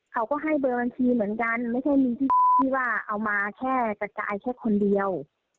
เขาก็ให้เบอร์บัญชีเหมือนกันไม่ใช่มีที่ว่าเอามาแค่กระจายแค่คนเดียว